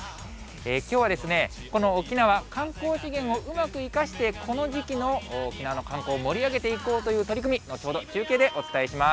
きょうはこの沖縄、観光資源をうまく生かして、この時期の沖縄の観光を盛り上げていこうという取り組み、後ほど、中継でお伝えします。